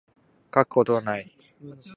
書くことない